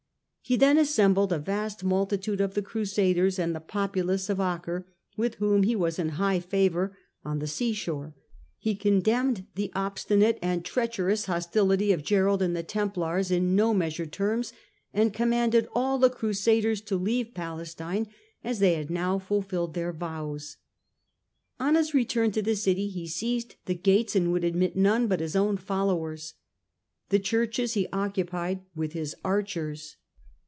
He then assembled a vast multitude of the Crusaders and the populace of Acre, with whom he was in high favour, on the seashore. He condemned the obstinate and treacherous hostility of Gerold and the Templars in no measured terms, and commanded all the Crusaders to leave Palestine, as they had now fulfilled their vows. On his return to the city he seized the gates and would admit none but his own followers : the Churches he occupied with his archers.